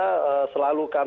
kita selalu melakukan